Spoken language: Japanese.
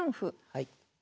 はい。